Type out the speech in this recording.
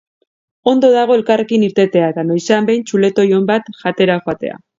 Ondo dago elkarrekin irtetea eta noizean behin txuletoi on bat jatera joatea.